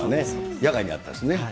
野外にあったんですね。